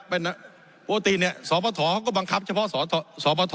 ปกติเนี่ยสพก็บังคับเฉพาะสพ